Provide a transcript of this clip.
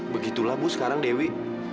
begitulah bu sekarang dewi